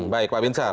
baik pak bin sar